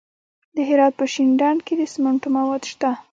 د هرات په شینډنډ کې د سمنټو مواد شته.